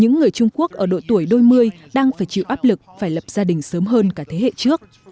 những người trung quốc ở độ tuổi đôi mươi đang phải chịu áp lực phải lập gia đình sớm hơn cả thế hệ trước